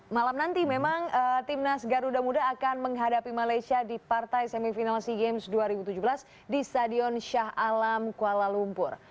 malam nanti memang timnas garuda muda akan menghadapi malaysia di partai semifinal sea games dua ribu tujuh belas di stadion syah alam kuala lumpur